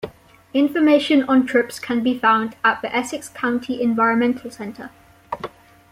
Information on trips can be found at the Essex County Environmental Center.